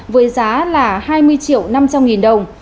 với giá là hai mươi triệu năm trăm linh nghìn đồng